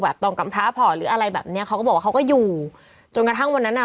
ต้องกำพร้าพอหรืออะไรแบบเนี้ยเขาก็บอกว่าเขาก็อยู่จนกระทั่งวันนั้นอ่ะ